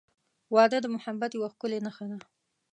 • واده د محبت یوه ښکلی نښه ده.